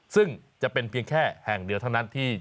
ซึ่งจะเป็นเพียงแค่แห่งเดียวเท่านั้นที่